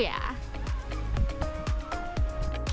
kecamatan sukamakmur kabupaten bogor jawa barat